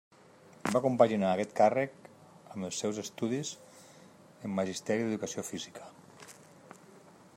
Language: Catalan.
Va compaginar aquest càrrec amb els seus estudis en Magisteri d'Educació Física.